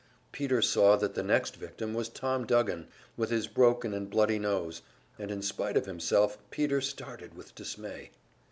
Peter saw that the next victim was Tom Duggan with his broken and bloody nose, and in spite of himself, Peter started with dismay.